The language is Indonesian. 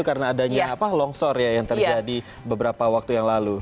karena adanya longsor yang terjadi beberapa waktu yang lalu